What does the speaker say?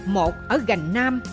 một ở gành nam